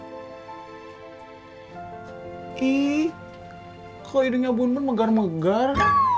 iiiih kok hidungnya bun bun megar megar